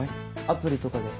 アプリとかで。